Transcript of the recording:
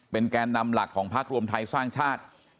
แกนนำหลักของพักรวมไทยสร้างชาติ